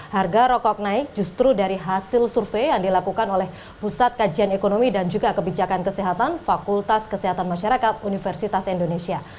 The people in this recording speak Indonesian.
harga rokok naik justru dari hasil survei yang dilakukan oleh pusat kajian ekonomi dan juga kebijakan kesehatan fakultas kesehatan masyarakat universitas indonesia